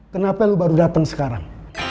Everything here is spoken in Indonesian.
kenapa lu baru datang sekarang